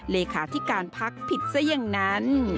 เลขาธิการพักผิดซะอย่างนั้น